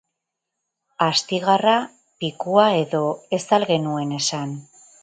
Astigarra? Pikua edo, ez al genuen esan?